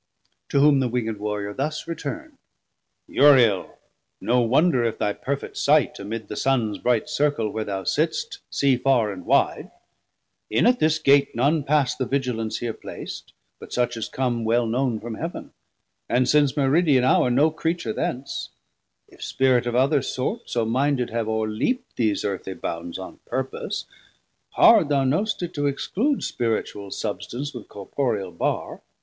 To whom the winged Warriour thus returnd: Uriel, no wonder if thy perfet sight, Amid the Suns bright circle where thou sitst, See farr and wide: in at this Gate none pass The vigilance here plac't, but such as come 580 Well known from Heav'n; and since Meridian hour No Creature thence: if Spirit of other sort, So minded, have oreleapt these earthie bounds On purpose, hard thou knowst it to exclude Spiritual substance with corporeal barr.